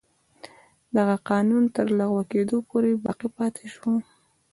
دغه قانون تر لغوه کېدو پورې باقي پاتې شو.